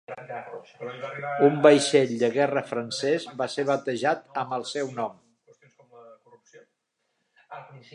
Un vaixell de guerra francès va ser batejat amb el seu nom.